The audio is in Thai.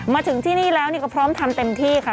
มาถึงที่นี่แล้วก็พร้อมทำเต็มที่ค่ะ